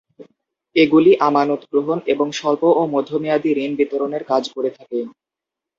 এগুলি আমানত গ্রহণ এবং স্বল্প ও মধ্যমেয়াদি ঋণ বিতরণের কাজ করে থাকে।